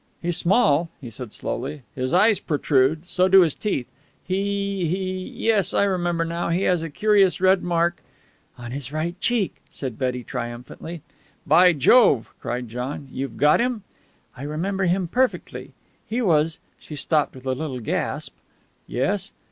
"He's small," he said slowly. "His eyes protrude so do his teeth He he yes, I remember now he has a curious red mark " "On his right cheek," said Betty triumphantly. "By Jove!" cried John. "You've got him?" "I remember him perfectly. He was " She stopped with a little gasp. "Yes?"